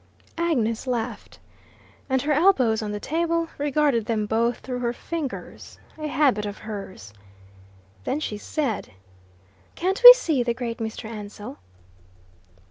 Agnes laughed, and, her elbows on the table, regarded them both through her fingers a habit of hers. Then she said, "Can't we see the great Mr. Ansell?"